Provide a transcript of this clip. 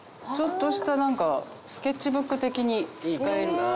ちょっとした何かスケッチブック的に使える。